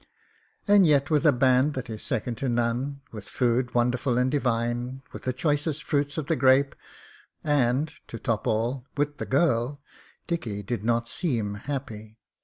And yet with a band that is second to none; with food wonderful and divine ; with the choicest fruit of the grape, and — ^to top all — ^with the girl, Dickie did not seem happy.